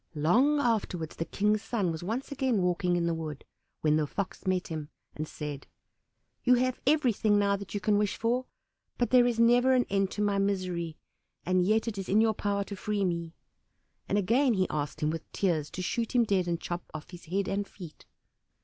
Long afterwards the King's son was once again walking in the wood, when the Fox met him and said, "You have everything now that you can wish for, but there is never an end to my misery, and yet it is in your power to free me," and again he asked him with tears to shoot him dead and chop off his head and feet.